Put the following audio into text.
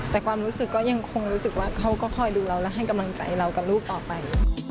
แต่ความรู้สึกก็ยังคงรู้สึกว่าเขาก็คอยดูเราและให้กำลังใจเรากับลูกต่อไป